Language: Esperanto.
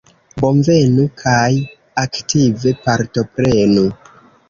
Bonvenu kaj aktive partoprenu!